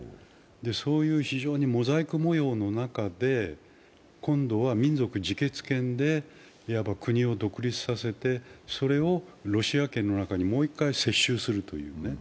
そういう非常にモザイク模様の中で、今度は民族自決権でいわば国を独立させてそれをロシア圏の中にもう一回接収するという。